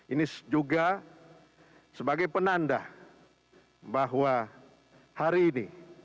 ini juga sebagai penanda bahwa hari ini